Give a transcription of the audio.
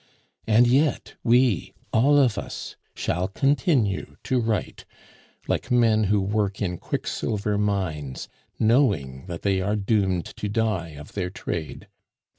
And yet we, all of us, shall continue to write, like men who work in quicksilver mines, knowing that they are doomed to die of their trade.